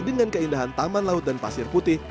dengan keindahan taman laut dan pasir putih